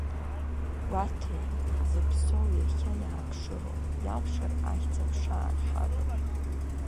Гәаҭеи зыԥсоу иахьа иааԥшыроуп, иалшар ахьӡ-аԥша арҳап.